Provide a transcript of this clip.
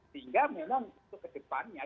sehingga memang untuk ke depannya